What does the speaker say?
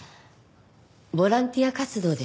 ボランティア活動です。